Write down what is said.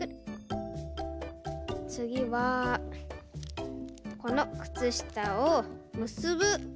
つぎはこのくつしたをむすぶ。